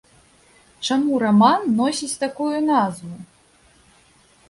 Чаму раман носіць такую назву?